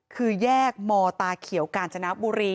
คือแยกมตาเขียวกาญจนบุรี